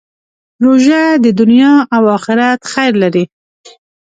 روژه د دنیا او آخرت خیر لري.